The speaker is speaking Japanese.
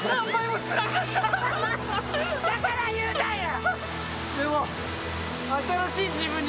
だから言うたんや。